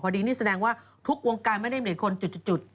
พอดีนี่แสดงว่าทุกวงกายไม่ได้เหมือนเดียวคนจุด